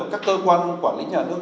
các cơ quan quản lý nhà nước